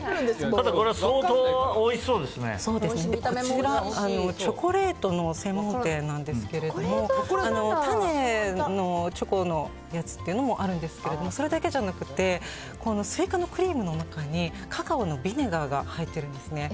こちら、チョコレートの専門店なんですけれども種のチョコのやつもあるんですがそれだけじゃなくてスイカのクリームの中にカカオのビネガーが入ってるんですね。